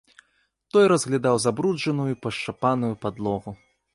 Той разглядаў забруджаную і пашчапаную падлогу.